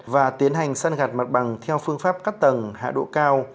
và tiến hành săn gạt mặt bằng theo phương pháp cắt tầng hạ độ cao